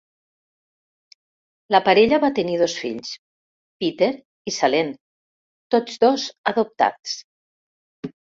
La parella va tenir dos fills, Peter i Salene, tots dos adoptats.